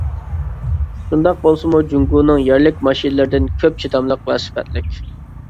شۇنداق بولسىمۇ، جۇڭگونىڭ يەرلىك ماشىنىلىرىدىن كۆپ چىداملىق ۋە سۈپەتلىك.